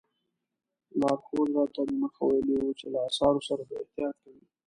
لارښود راته دمخه ویلي وو چې له اثارو سره به احتیاط کوئ.